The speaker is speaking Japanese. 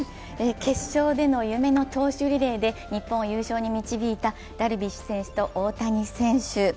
決勝での夢の投手リレーで日本を優勝に導いたダルビッシュ選手と大谷選手。